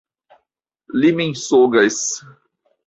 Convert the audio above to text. Li mensogas!